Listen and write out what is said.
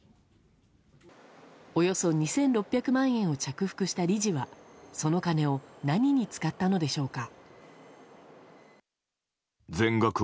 およそ２６００万円を着服した理事はその金を何に使ったのでしょうか。